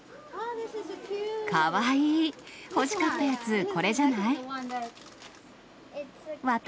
かわいいー、欲しかったやつ、これじゃない？